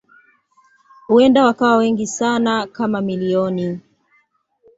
Huenda wakawa wengi sana kama milioni.